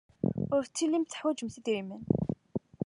Ur tellimt teḥwajemt idrimen.